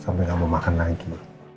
sampai gak mau makan lagi